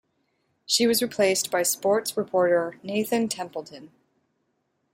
She was replaced by sports reporter Nathan Templeton.